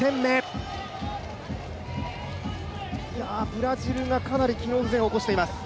ブラジルがかなり機能不全を起こしています。